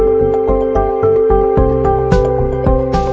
จริงจริงจริงจริงจริงพี่แจ๊คเฮ้ยสวยนะเนี่ยเป็นเล่นไป